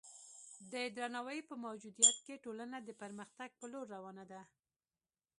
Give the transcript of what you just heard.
د درناوي په موجودیت کې ټولنه د پرمختګ په لور روانه ده.